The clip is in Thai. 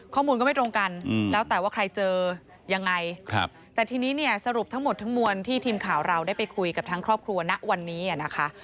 ข้อมูลก็ไม่ตรงกันแล้วแต่ว่าใครเจอยังไงแต่ทีนี้เนี่ยสรุปทั้งหมดทั้งมวลที่ทีมข่าวเราได้ไปคุยกับทั้งครอบครัวณวันนี้นะคะ